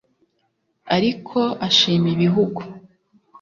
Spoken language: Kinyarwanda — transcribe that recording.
ariko ashima ibihugu